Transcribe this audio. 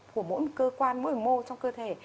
của mỗi cơ quan mỗi mô trong cơ thể